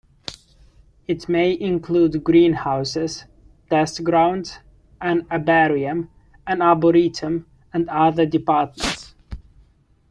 It may include greenhouses, test grounds, an herbarium, an arboretum, and other departments.